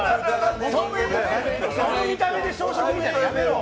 その見た目で小食っていうのやめろ。